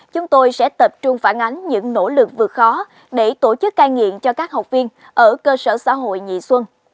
chúng tôi sẽ tập trung phản ánh những nỗ lực vượt khó để tổ chức cai nghiện cho các học viên ở cơ sở xã hội nhị xuân